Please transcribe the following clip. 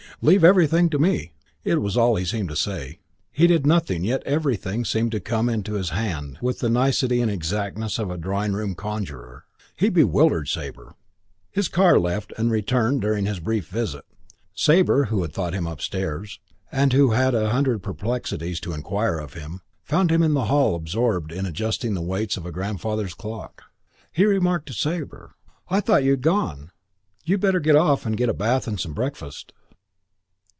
"Leave everything to me," it was all he seemed to say. He did nothing yet everything seemed to come to his hand with the nicety and exactness of a drawing room conjurer. He bewildered Sabre. His car left and returned during his brief visit. Sabre, who had thought him upstairs, and who had a hundred perplexities to inquire of him, found him in the hall absorbed in adjusting the weights of a grandfather's clock. He remarked to Sabre, "I thought you'd gone. You'd better get off and get a bath and some breakfast.